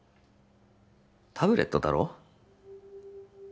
タブレットだろ？